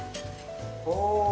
お。